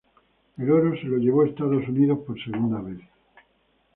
El oro se lo llevó Estados Unidos por segunda vez.